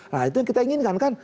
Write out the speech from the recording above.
nah itu yang kita inginkan kan